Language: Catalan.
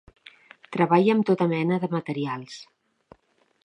Treballa amb tota mena de materials.